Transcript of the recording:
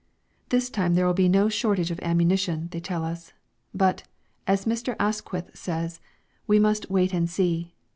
This time there will be no shortage of ammunition, they tell us; but, as Mr. Asquith says, we must "Wait and see!"